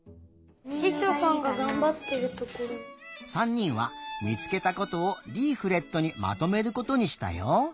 ３にんはみつけたことをリーフレットにまとめることにしたよ。